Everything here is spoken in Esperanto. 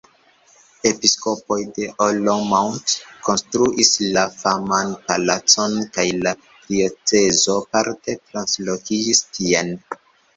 Episkopoj de Olomouc konstruis la faman Palacon kaj la diocezo parte translokiĝis tien.